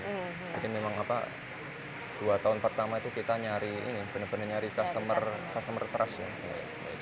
mungkin memang apa dua tahun pertama itu kita nyari ini bener bener nyari customer trust ya